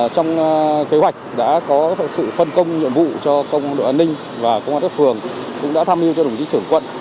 trong kế hoạch đã có sự phân công nhiệm vụ cho đội an ninh và công an các phường cũng đã tham mưu cho đồng chí trưởng quận